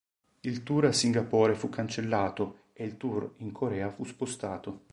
Il tour a Singapore fu cancellato, e il tour in Corea fu spostato.